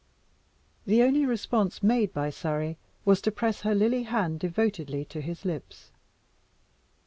The only response made by Surrey was to press her lily hand devotedly to his lips.